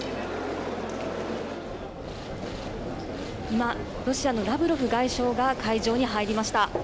今、ロシアのラブロフ外相が会場に入りました。